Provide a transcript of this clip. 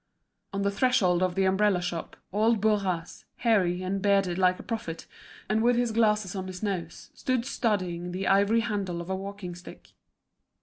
On the threshold of the umbrella shop, old Bourras, hairy and bearded like a prophet, and with his glasses on his nose, stood studying the ivory handle of a walking stick.